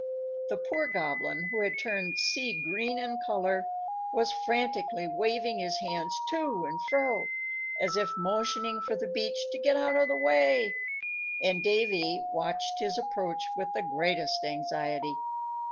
The poor Goblin, who had turned sea green in color, was frantically waving his hands to and fro, as if motioning for the beach to get out of the way; and Davy watched his approach with the greatest anxiety.